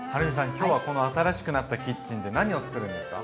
今日はこの新しくなったキッチンで何を作るんですか？